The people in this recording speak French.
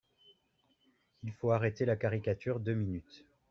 Il faut arrêter la caricature deux minutes